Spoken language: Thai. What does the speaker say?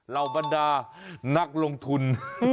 เราบัดได้นักลงทุน